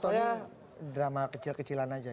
atau ini drama kecil kecilan saja